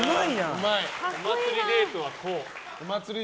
お祭りデートは、こう。